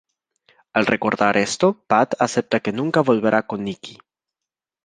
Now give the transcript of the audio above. Al recordar esto, Pat acepta que nunca volverá con Nikki.